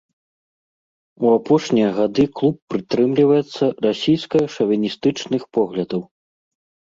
У апошнія гады клуб прытрымліваецца расійска-шавіністычных поглядаў.